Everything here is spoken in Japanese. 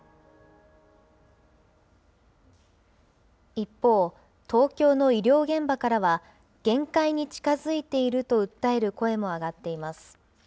一方、東京の医療現場からは、限界に近づいていると訴える声も上がっています。